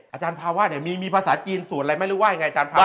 อาจารย์ภาวะเนี่ยมีภาษาจีนสูตรอะไรไม่รู้ว่ายังไงอาจารย์ภาวะ